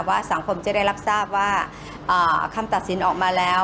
ว่าสังคมจะได้รับทราบว่าคำตัดสินออกมาแล้ว